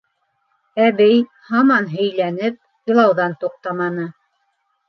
Әбей, һаман һөйләнеп, илауҙан туҡтаманы.